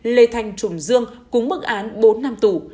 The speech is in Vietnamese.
lê thanh trùng dương cúng bức án bốn năm tù